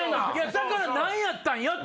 だから「何やったんや？